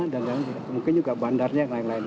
dan mungkin juga bandarnya dan lain lain